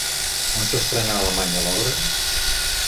On s'estrenà a Alemanya l'obra?